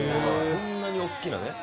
こんなに大きなね。